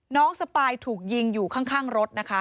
สปายถูกยิงอยู่ข้างรถนะคะ